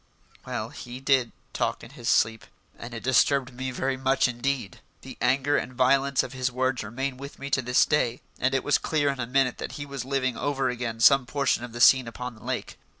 Well, he did talk in his sleep and it disturbed me very much indeed. The anger and violence of his words remain with me to this day, and it was clear in a minute that he was living over again some portion of the scene upon the lake.